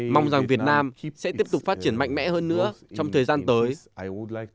mong rằng việt nam sẽ tiếp tục phát triển mạnh mẽ hơn nữa trong thời gian tới